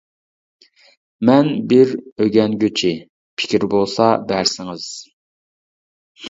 مەن بىر ئۆگەنگۈچى، پىكىر بولسا بەرسىڭىز.